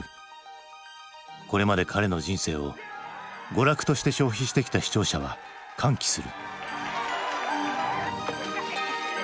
これまで彼の人生を娯楽として消費してきた視聴者は歓喜する。